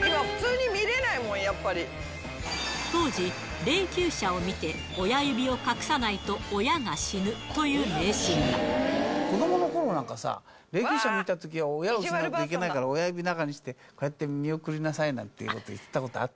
普通に見れないもん、やっぱ当時、霊きゅう車を見て親指を隠さないと、子どものころなんかさ、霊きゅう車見たときは、親を失うといけないから親指、中にして、こうやって見送りなさいなんていうこといってたことあった。